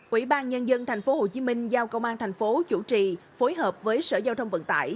ủy ban nhân dân tp hcm giao công an thành phố chủ trì phối hợp với sở giao thông vận tải